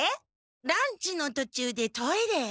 ランチのとちゅうでトイレへ。